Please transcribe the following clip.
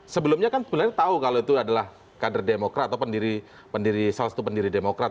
sebelumnya kan sebenarnya tahu kalau itu adalah kader demokrat atau pendiri salah satu pendiri demokrat